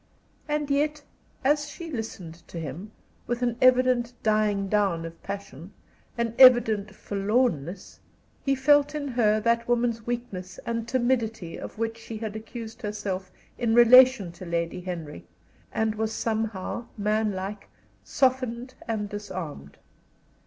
And yet as she listened to him, with an evident dying down of passion, an evident forlornness, he felt in her that woman's weakness and timidity of which she had accused herself in relation to Lady Henry, and was somehow, manlike, softened and disarmed.